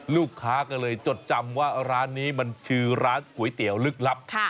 ลูกค้าก็เลยจดจำว่าร้านนี้มันคือร้านก๋วยเตี๋ยวลึกลับ